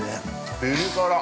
ピリ辛。